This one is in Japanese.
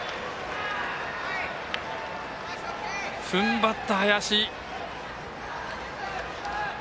ふんばった林。